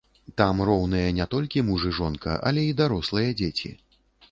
Там роўныя не толькі муж і жонка, але і дарослыя дзеці.